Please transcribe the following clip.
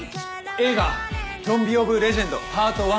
映画『ゾンビオブレジェンドＰａｒｔ１』。